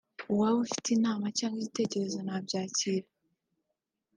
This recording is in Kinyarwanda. Uwaba afite inama cyangwa igitekerezo nabyakira